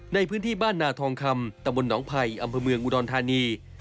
ในพื้นที่บ้านนาทองคำตะบลหนองไผ่อำเภอเมืองอุดรธานี